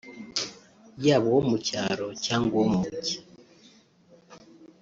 yaba uwo mu cyaro cyangwa uwo mu mujyi